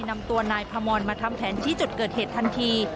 นำตัวนายพมรมาทำแผนที่จุดเกิดเหตุทันที